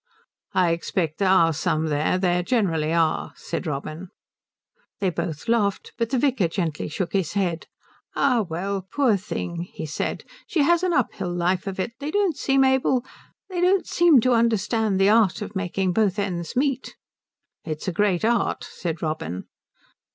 "I expect there are some there. There generally are," said Robin. They both laughed; but the vicar gently shook his head. "Ah well, poor thing," he said, "she has an uphill life of it. They don't seem able they don't seem to understand the art of making both ends meet." "It's a great art," said Robin.